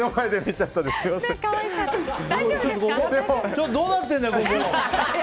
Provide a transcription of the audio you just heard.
ちょっとどうなってるんだよ！